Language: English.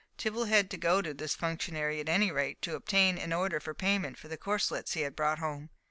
Tibble had to go to this functionary at any rate, to obtain an order for payment for the corslets he had brought home.